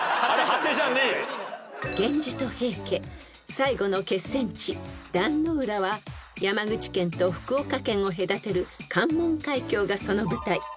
［源氏と平家最後の決戦地壇ノ浦は山口県と福岡県を隔てる関門海峡がその舞台］